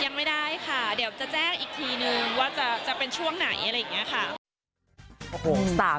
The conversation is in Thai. ยังไม่ได้ค่ะเดี๋ยวจะแจ้งอีกทีนึงว่าจะเป็นช่วงไหนอะไรอย่างนี้ค่ะ